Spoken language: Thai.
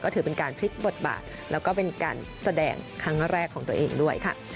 ถือเป็นการพลิกบทบาทแล้วก็เป็นการแสดงครั้งแรกของตัวเองด้วยค่ะ